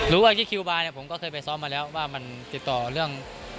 รู้กับที่คิวบาร์ผมก็เคยไปซ้อมมาแล้วว่ามันติดต่อเรื่อง